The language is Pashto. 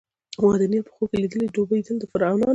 ما د نیل په خوب لیدلي ډوبېدل د فرعونانو